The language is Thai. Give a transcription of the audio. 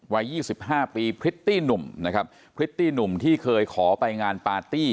วัย๒๕ปีพริตตี้หนุ่มนะครับพริตตี้หนุ่มที่เคยขอไปงานปาร์ตี้